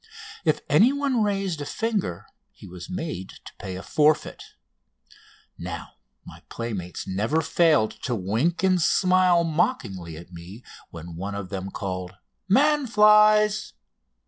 If anyone raised a finger he was made to pay a forfeit. Now my playmates never failed to wink and smile mockingly at me when one of them called "Man flies!"